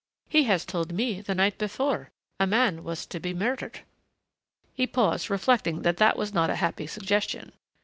He has told me the night before a man was to be murdered." He paused, reflecting that was not a happy suggestion.